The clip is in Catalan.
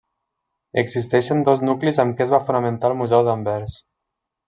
Existeixen dos nuclis amb què es va fonamentar el Museu d'Anvers.